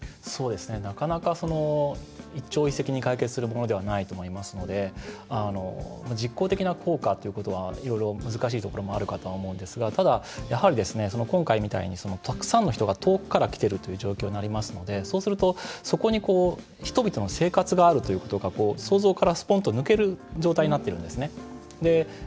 なかなかその一朝一夕に解決するものではないと思いますので実効的な効果はいろいろ難しいこともあるかと思うんですがただ今回みたいにたくさんの人が遠くから来ている状況になりますのでそうするとそこにこう人々の生活があるということが想像から、すぽんと抜ける状態になっているんですね。